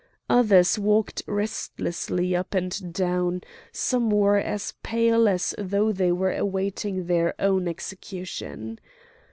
Others walked restlessly up and down; some were as pale as though they were awaiting their own execution.